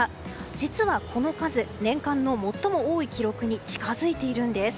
実はこの数年間の最も多い記録に近づいているんです。